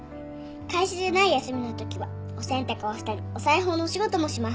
「会社じゃない休みのときはお洗濯をしたりお裁縫のお仕事もします」